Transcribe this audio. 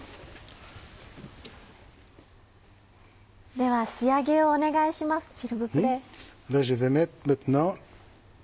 では仕上げをお願いしますシルブプレ。